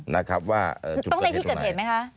นะครับว่าจุดเกิดเหตุไหนต้องได้ที่เกิดเหตุไหมคะ